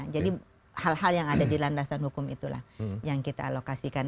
hal hal yang ada di landasan hukum itulah yang kita alokasikan